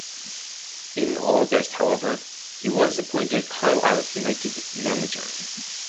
In August, however he was appointed Carlisle United manager.